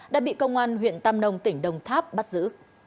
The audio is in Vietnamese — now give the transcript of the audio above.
đã bị công an huyện tam nông tỉnh đồng tháp bắt giữ